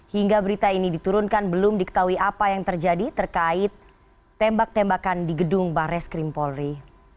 hingga berita ini diturunkan belum diketahui apa yang terjadi terkait tembak tembakan di gedung bares krim polri